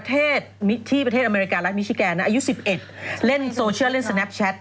ประเทศที่ประเทศอเมริการัฐมิชิแกนนะอายุ๑๑เล่นโซเชียลเล่นสแนปแชท